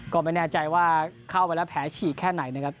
ก็ไม่แน่ใจว่าเข้าไปแล้วแผลฉีกแค่ไหนนะครับ